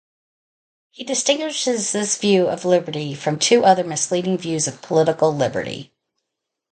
He distinguishes this view of liberty from two other misleading views of political liberty.